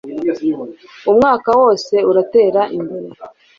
Umwaka wose uratera imbere